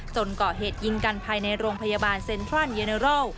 เกาะเหตุยิงกันภายในโรงพยาบาลเซ็นทรัลเยเนอรอล